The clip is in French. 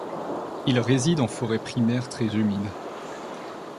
Il réside en forêt primaire très humide.